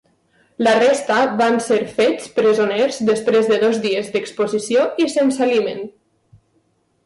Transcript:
La resta van ser fets presoners després de dos dies d'exposició i sense aliment.